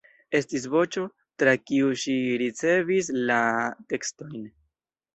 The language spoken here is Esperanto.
Estis "Voĉo", tra kiu ŝi ricevis la tekstojn.